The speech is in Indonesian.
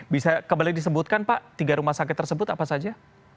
bisa kembali disebutkan pak tiga rumah sakit tersebut apa saja